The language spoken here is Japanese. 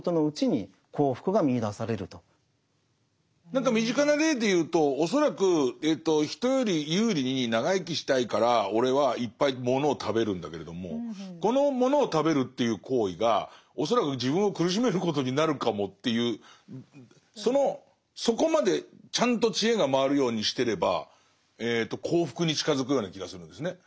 何か身近な例で言うと恐らく人より有利に長生きしたいから俺はいっぱいものを食べるんだけれどもこのものを食べるという行為が恐らく自分を苦しめることになるかもというそこまでちゃんと知恵が回るようにしてれば幸福に近づくような気がするんですね。